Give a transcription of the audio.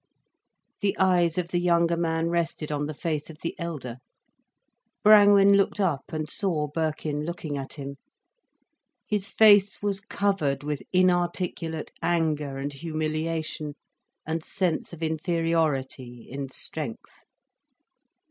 The eyes of the younger man rested on the face of the elder. Brangwen looked up, and saw Birkin looking at him. His face was covered with inarticulate anger and humiliation and sense of inferiority in strength.